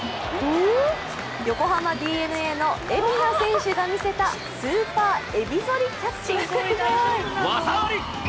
横浜ＤｅＮＡの蝦名選手が見せたスーパーえび反りキャッチ。